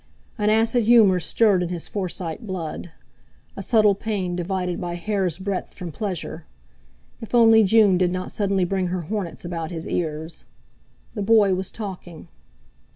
An acid humour stirred in his Forsyte blood; a subtle pain divided by hair's breadth from pleasure. If only June did not suddenly bring her hornets about his ears! The boy was talking.